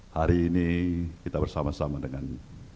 hari ini kita bersama sama dengan